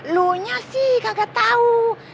lo nya sih kagak tahu